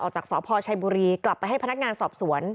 จากสพชัยบุรีกลับไปให้พนักงานสอบสวน